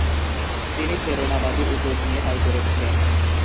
তিনি প্রেরণাবাদী উদ্যোগ নিয়ে তাই করেছিলেন।